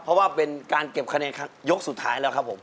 เพราะว่าเป็นการเก็บคะแนนยกสุดท้ายแล้วครับผม